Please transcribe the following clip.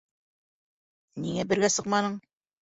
Ниңә бергә сыҡманың?